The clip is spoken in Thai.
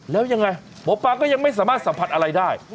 แล้วยังไงหมอปลาก็ยังไม่สามารถสัมผัสอะไรได้